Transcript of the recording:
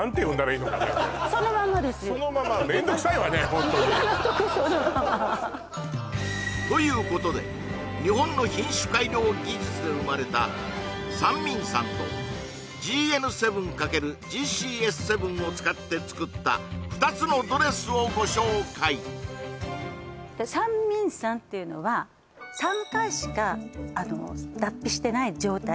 今のとこそのままということで日本の品種改良技術で生まれた三眠蚕とＧＮ７×ＧＣＳ７を使って作った２つのドレスをご紹介三眠蚕っていうのは３回しか脱皮してない状態